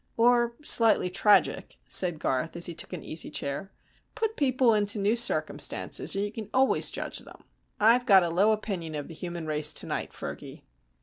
"Or slightly tragic," said Garth, as he took an easy chair. "Put people into new circumstances and you can always judge them. I've got a low opinion of the human race to night, Fergy."